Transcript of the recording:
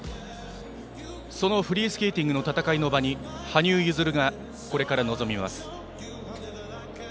そのフリースケーティングの戦いの場に羽生結弦がこれから臨みます。